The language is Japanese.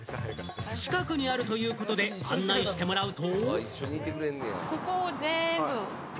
近くにあるということで、案内してもらうと。